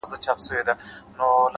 وخت د غفلت تاوان زیاتوي،